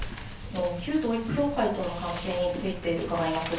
旧統一教会との関係について伺います。